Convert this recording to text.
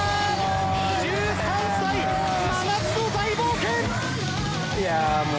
１３歳、真夏の大冒険！